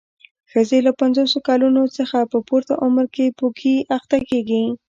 ښځې له پنځوسو کلونو څخه په پورته عمر کې پوکي اخته کېږي.